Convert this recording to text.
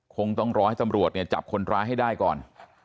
คงต้องรอให้ตำรวจเนี่ยจับคนร้ายให้ได้ก่อน